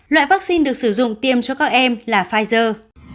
loại vaccine được sử dụng tiêm cho các em là pfizer